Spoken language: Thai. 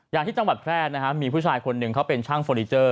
อย่างที่จังหวัดแพร่นะครับมีผู้ชายคนหนึ่งเขาเป็นช่างเฟอร์นิเจอร์